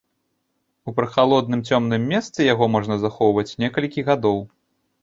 У прахалодным цёмным месцы яго можна захоўваць некалькі гадоў.